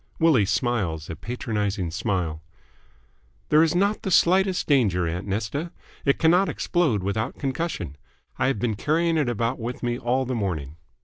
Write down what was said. Willie smiles a patronising smile. "There is not the slightest danger, aunt Nesta. It cannot explode without concussion. I have been carrying it about with me all the morning."